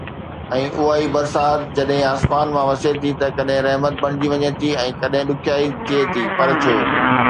۽ اها ئي برسات جڏهن آسمان مان وسي ٿي ته ڪڏهن رحمت بڻجي وڃي ٿي ۽ ڪڏهن ڏکيائي ٿئي ٿي، پر ڇو؟